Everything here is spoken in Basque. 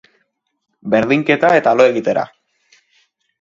Berdinketa eta lo egitera.